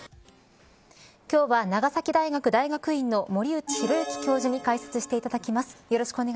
今日は長崎大学大学院の森内浩幸教授に解説していただきます。